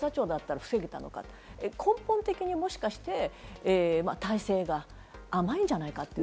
じゃあ、警察庁だったら防げたのか？とか根本的に、もしかして体制が甘いんじゃないか。